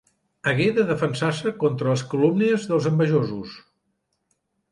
Hagué de defensar-se contra les calúmnies dels envejosos.